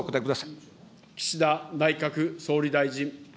岸田内閣総理大臣。